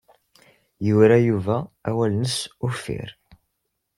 Yura Yuba awal-nnes uffir.